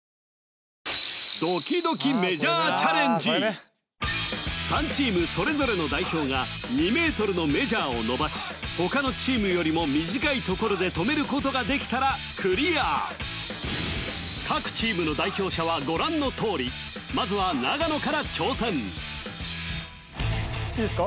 ・あこれね３チームそれぞれの代表が２メートルのメジャーを伸ばし他のチームよりも短いところで止めることができたらクリア各チームの代表者はご覧のとおりまずは長野から挑戦いいですか？